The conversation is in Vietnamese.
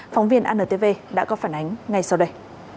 phóng viên antv đã có phản ánh ngay sau đây